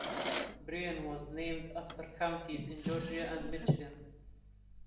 "Berrien" was named after counties in Georgia and Michigan.